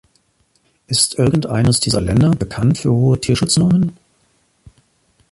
Ist irgendeines dieser Länder bekannt für hohe Tierschutznormen?